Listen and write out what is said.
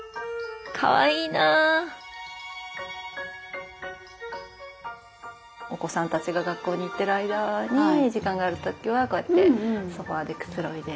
かわいいなお子さんたちが学校に行ってる間に時間がある時はこうやってソファーでくつろいで。